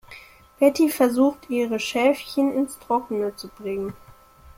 Betty versucht, ihre Schäfchen ins Trockene zu bringen.